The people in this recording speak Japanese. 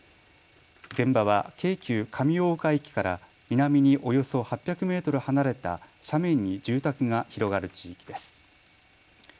現場は京急上大岡駅から南におよそ８００メートル離れた斜面に住宅が広がる地域です。